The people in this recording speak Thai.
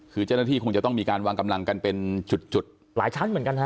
คือเจ้าหน้าที่คงจะต้องมีการวางกำลังกันเป็นจุดหลายชั้นเหมือนกันฮะ